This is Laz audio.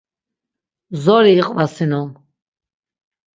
Zori iqvasinon.